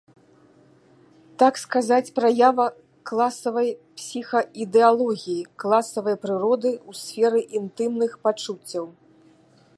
Так сказаць, праява класавай псіхаідэалогіі, класавай прыроды ў сферы інтымных пачуццяў.